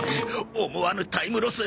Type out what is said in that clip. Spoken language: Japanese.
思わぬタイムロス！